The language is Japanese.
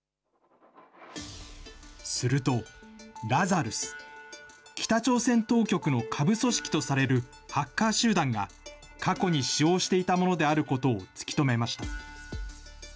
すると、ラザルス、北朝鮮当局の下部組織とされるハッカー集団が、過去に使用していたものであることを突き止めました。